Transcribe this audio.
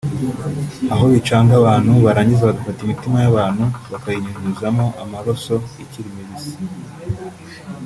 aho bicaga abantu barangiza bagafata imitima y’abantu bakayinyunyuzamo amaroso ikiri mibisi